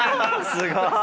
すごい！